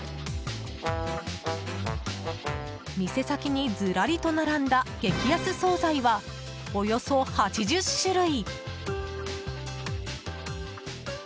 店先にずらりと並んだ激安総菜はおよそ８０種類！